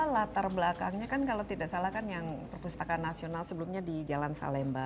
latar belakangnya kan kalau tidak salah kan yang perpustakaan nasional sebelumnya di jalan salemba